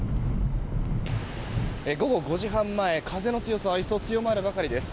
午後５時半前風の強さは一層強まるばかりです。